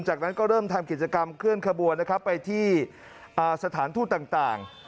จากนั้นก็เริ่มทำกิจกรรมเคลื่อนขบวนนะครับไปที่สถานทูตต่าง